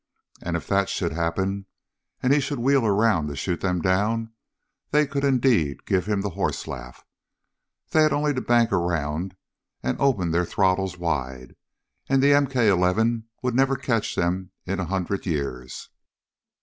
And if that should happen, and he should wheel around to shoot them down, they could indeed give him the horse laugh. They had only to bank around and open their throttles wide, and the MK 11 would never catch them in a hundred years.